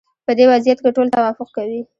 په دې وضعیت کې ټول توافق کوي.